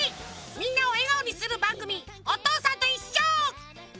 みんなをえがおにするばんぐみ「おとうさんといっしょ」！